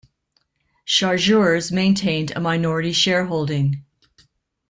Chargeurs maintained a minority shareholding.